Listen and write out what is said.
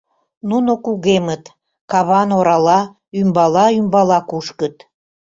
Нуно кугемыт, каван орала ӱмбала-ӱмбала кушкыт.